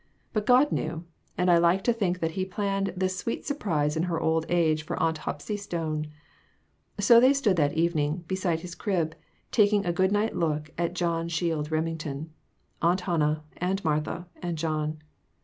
But God knew; and I like to think that he planned this sweet surprise in her old age for Aunt Hepsy Stone. So they stood that evening, beside his crib, tak ing a good night look at John Shield Remington Aunt Hannah, and Martha and John.